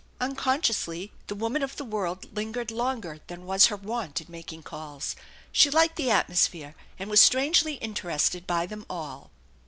Unconsciously the woman of the world lingered longer than was her wont in making calls. She liked the atmosphere, and was strangely interested by them all.